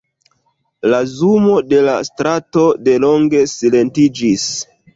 La zumo de la strato delonge silentiĝis.